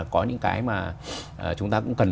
có những cái mà chúng ta cũng cần